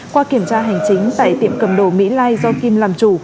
qua kiểm tra hành chính tại tiệm cầm đồ mỹ lai do kim làm chủ